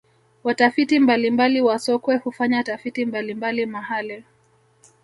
watafiti mbalimbali wa sokwe hufanya tafiti mbalimbali mahale